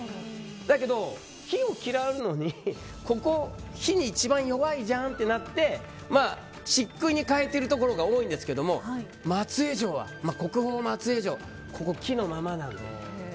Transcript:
だけど、火を嫌うのにここ火に一番弱いじゃんとなって漆喰に変えているところが多いんですが松江城は木のままなんです。